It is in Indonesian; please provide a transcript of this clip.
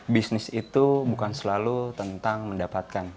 bisnis itu bukan selalu tentang mendapatkan